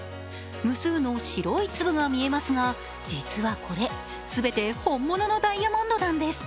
無数の白い粒が見えますが実はこれ、全て本物のダイヤモンドなんです。